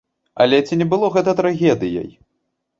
Але ці не было гэта трагедыяй?